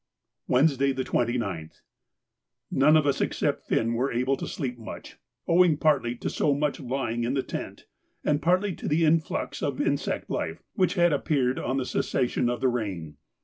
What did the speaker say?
Wednesday, the 29th.—None of us except Finn were able to sleep much, owing partly to so much lying in the tent, and partly to the influx of insect life which had appeared on the cessation of the rain.